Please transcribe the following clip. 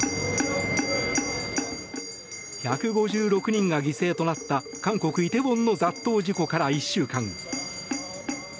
１５６人が犠牲となった韓国イテウォンの雑踏事故から１週間。